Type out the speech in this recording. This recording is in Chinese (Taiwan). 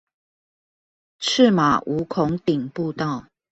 赤馬五孔頂步道